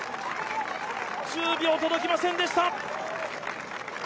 １０秒届きませんでした。